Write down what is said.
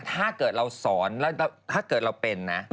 ถ้าเกิดเราสอนแล้วถ้าเกิดเราเป็นนะ